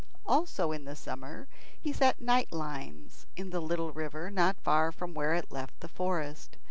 Also in summer he set night lines in the little river not far from where it left the forest.